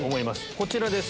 こちらです